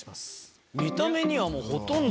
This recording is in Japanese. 見た目にはもうほとんど。